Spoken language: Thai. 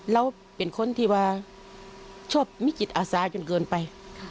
แล้วเป็นคนที่ว่าชอบมีจิตอาสาจนเกินไป